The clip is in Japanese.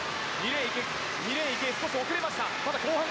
２レーン、池江、少し遅れました。